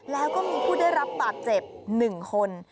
แล้วก็มีผู้ได้รับบาดเจ็บ๑คน